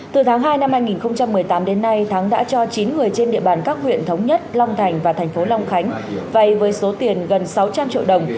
từ tháng hai năm hai nghìn một mươi tám đến nay thắng đã cho chín người trên địa bàn các huyện thống nhất long thành và thành phố long khánh vay với số tiền gần sáu trăm linh triệu đồng